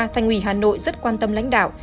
thành hủy hà nội rất quan tâm lãnh đạo